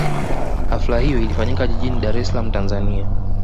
Hafla hiyo ilifanyika jijini Dar es Salaam Tanzania